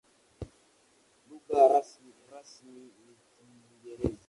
Lugha rasmi ni Kiingereza.